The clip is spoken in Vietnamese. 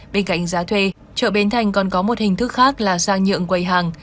bên cạnh giá thuê chợ bến thành còn có một hình thức khác là sang nhượng quầy hàng